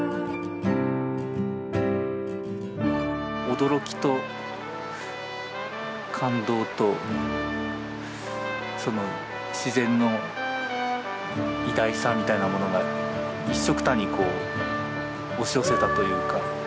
驚きと感動とその自然の偉大さみたいなものが一緒くたにこう押し寄せたというか。